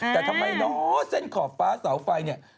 แต่ทำไมเนาะเส้นขอบฟ้าเสาไฟเนี่ย